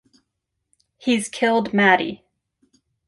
He's killed Maddie.